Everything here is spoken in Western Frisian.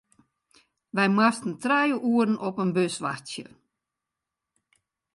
Wy moasten trije oeren op in bus wachtsje.